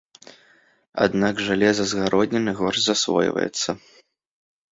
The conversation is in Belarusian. Аднак жалеза з гародніны горш засвойваецца.